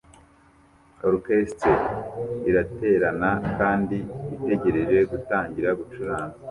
Orchestre iraterana kandi itegereje gutangira gucuranga